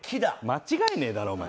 間違えねえだろお前。